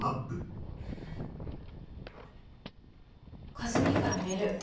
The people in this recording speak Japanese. カズ兄からメール。